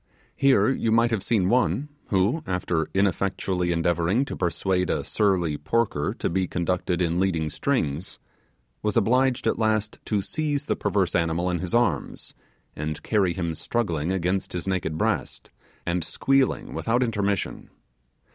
Here, you might have seen one, who, after ineffectually endeavouring to persuade a surly porker to be conducted in leading strings, was obliged at last to seize the perverse animal in his arms, and carry him struggling against his naked breast, and squealing without intermission.